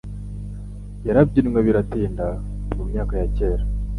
yarabyinwe biratinda mu myaka ya kera